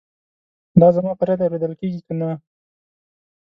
دا زما فریاد اورېدل کیږي کنه؟